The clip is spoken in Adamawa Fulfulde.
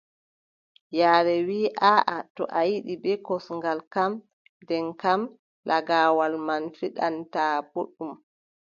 Yaare wii aaʼa, to a ƴiʼi bee kosngal kam, nden kam lagaawal man fiɗataa booɗɗum.